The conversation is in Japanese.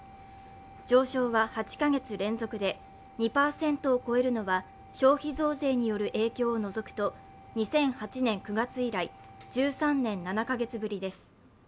上昇は８カ月連続で、２％を超えるのは消費増税による影響を除くと２００８年９月以来、１３年７カ月ぶりです